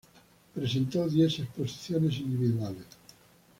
Presentó diez exposiciones individuales.